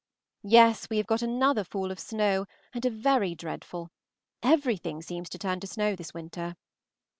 Yes, we have got another fall of snow, and are very dreadful; everything seems to turn to snow this winter.